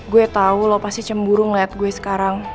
gue tahu lo pasti cemburu ngeliat gue sekarang